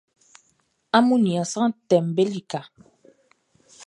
Amun nian sran tɛʼm be lika.